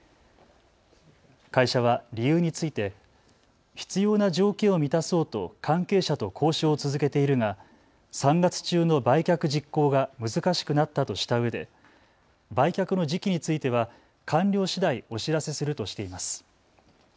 会社は理由について必要な条件を満たそうと関係者と交渉を続けているが３月中の売却実行が難しくなったとしたうえで売却の時期については完了しだいお知らせするとしています。